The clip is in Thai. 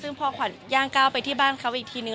ซึ่งพอขวัญย่างก้าวไปที่บ้านเขาอีกทีนึง